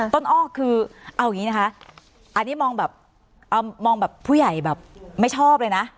อ้อคือเอาอย่างนี้นะคะอันนี้มองแบบมองแบบผู้ใหญ่แบบไม่ชอบเลยนะ